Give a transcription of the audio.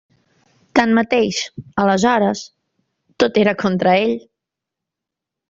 Tanmateix, aleshores, tot era contra ell.